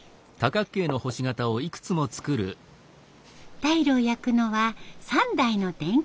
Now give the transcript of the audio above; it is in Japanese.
タイルを焼くのは３台の電気窯。